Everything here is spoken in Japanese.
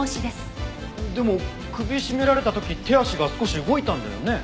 でも首絞められた時手足が少し動いたんだよね？